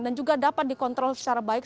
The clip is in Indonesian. dan juga dapat dikontrol secara baik